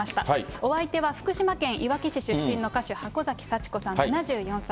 お相手は福島県いわき市出身の歌手、箱崎幸子さん７４歳。